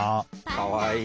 かわいい。